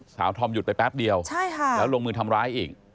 ทอมหยุดไปแป๊บเดียวแล้วลงมือทำร้ายอีก